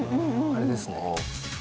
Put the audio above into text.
あれですね